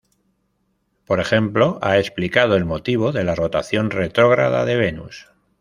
Por ejemplo ha explicado el motivo de la rotación retrógrada de Venus.